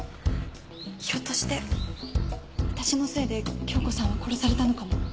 ひょっとして私のせいで教子さんは殺されたのかも。